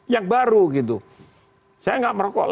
yang interessanternya apa narkon